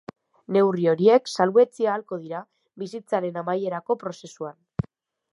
Neurri horiek salbuetsi ahalko dira bizitzaren amaierako prozesuan.